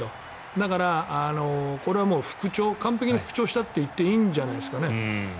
だからこれはもう復調完璧に復調したといっていいんじゃないですかね。